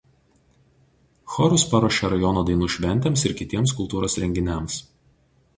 Chorus paruošia rajono dainų šventėms ir kitiems kultūros renginiams.